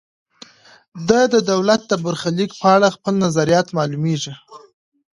ده د دولت د برخلیک په اړه خپل نظریات معلوميږي.